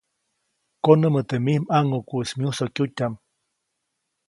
Konämä teʼ mij ʼmaŋʼukuʼis myusokyutyaʼm.